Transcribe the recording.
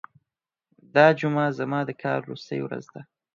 دا جمعه زما د کار وروستۍ ورځ ده.